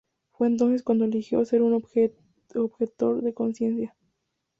Fue entonces cuando eligió ser un objetor de conciencia.